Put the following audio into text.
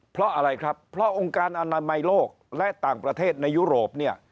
เพราะอะไรครับเพราะองค์การอนามัยโลกและต่างประเทศในยุโรปเนี่ย